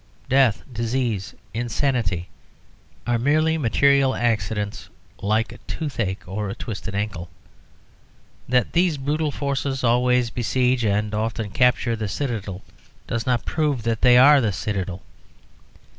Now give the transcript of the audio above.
Death, disease, insanity, are merely material accidents, like toothache or a twisted ankle. That these brutal forces always besiege and often capture the citadel does not prove that they are the citadel.